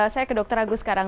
saya ke dr agus sekarang